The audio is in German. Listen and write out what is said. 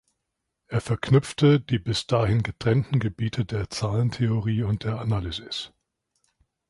Er verknüpfte die bis dahin getrennten Gebiete der Zahlentheorie und der Analysis.